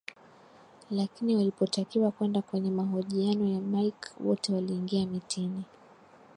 Lakini walipotakiwa kwenda kwenye mahojiano na Mike wote waliingia mitini